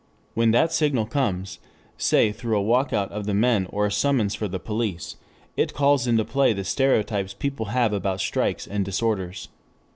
When that signal comes, say through a walkout of the men or a summons for the police, it calls into play the stereotypes people have about strikes and disorders.